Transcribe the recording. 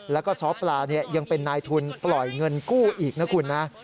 แล้วก็ซ้อปลายังเป็นนายทุนปล่อยเงินกู้อีกนะคุณนะ